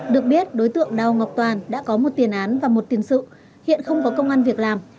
được biết đối tượng đào ngọc toàn đã có một tiền án và một tiền sự hiện không có công an việc làm